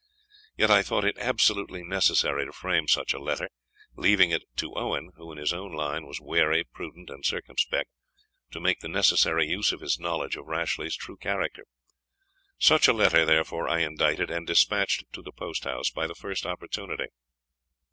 Yet I thought it absolutely necessary to frame such a letter, leaving it to Owen, who, in his own line, was wary, prudent, and circumspect, to make the necessary use of his knowledge of Rashleigh's true character. Such a letter, therefore, I indited, and despatched to the post house by the first opportunity.